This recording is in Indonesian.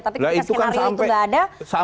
tapi skenario itu enggak ada